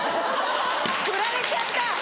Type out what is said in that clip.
ふられちゃった！